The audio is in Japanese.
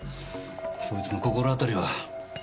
そいつの心当たりは？